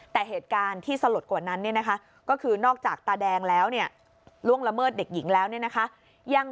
แต่เหตุการณ์ที่สลดกว่านั้น